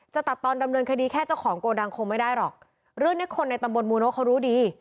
จะตัดตอนดำเนินคดีแค่เจ้าของโกดังคงไม่ได้หรอกเรื่องเนี้ยคนในตำบลมูโนเขารู้ดี